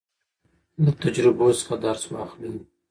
له تجربو څخه درس واخلئ.